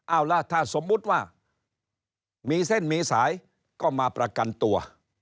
เอาล่ะถ้าสมมุติว่ามีเส้นมีสายก็มาประกันตัว